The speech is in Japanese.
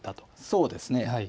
そうですね。